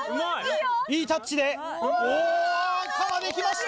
いいタッチでお赤まで行きました！